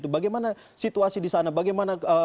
bagaimana situasi di sana bagaimana